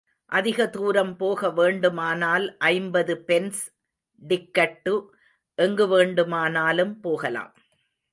அதிக தூரம் போக வேண்டுமானால் ஐம்பது பென்ஸ் டிக்கட்டு எங்கு வேண்டுமானாலும் போகலாம்.